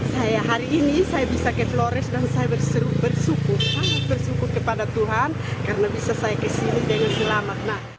saya hari ini saya bisa ke flores dan saya bersyukur sangat bersyukur kepada tuhan karena bisa saya kesini dengan selamat